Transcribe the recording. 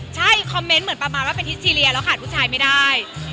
ใช่คอมเมนต์เหมือนประมาณว่าเป็นทิสซีเรียแล้วขาดผู้ชายไม่ได้